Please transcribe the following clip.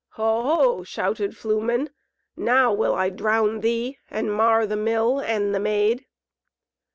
"Ho o!" shouted Flumen, "now will I drown thee, and mar the Mill and the Maid."